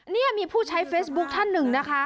นี่มีผู้ใช้เฟซบุ๊คท่านหนึ่งนะคะ